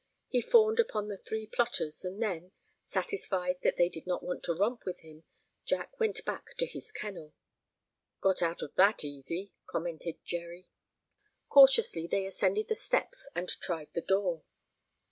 He fawned upon the three plotters and then, satisfied that they did not want to romp with him, Jack went back to his kennel. "Got out of that easy," commented Jerry. Cautiously they ascended the steps and tried the door.